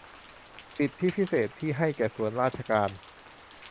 สิทธิพิเศษที่ให้แก่ส่วนราชการ